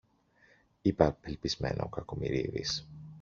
είπε απελπισμένα ο Κακομοιρίδης.